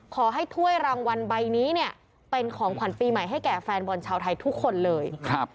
ถ้วยรางวัลใบนี้เนี่ยเป็นของขวัญปีใหม่ให้แก่แฟนบอลชาวไทยทุกคนเลยครับ